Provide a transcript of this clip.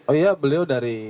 oh iya beliau dari